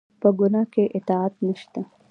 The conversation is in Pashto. په ګناه کې اطاعت نشته